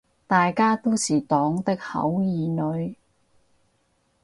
大家都是黨的好兒女